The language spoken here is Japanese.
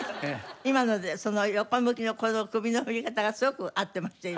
今のでその横向きのこの首の振り方がすごく合ってました今。